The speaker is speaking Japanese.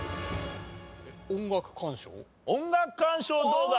音楽鑑賞どうだ？